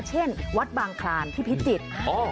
เช่นวัดบางคลานที่พิจิตร